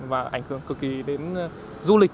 và ảnh hưởng cực kỳ đến du lịch